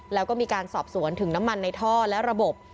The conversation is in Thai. แล้วก็มีการสอบสวนถึงน้ำมันในท่อและระบบ